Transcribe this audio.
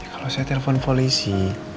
kalau saya telepon polisi